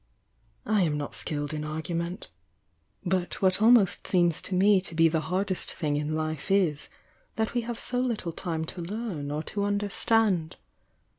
"I am not skilled in argument. But what almost seems to me to be the hardest thing in life is, that we have so little time to learn or to understand.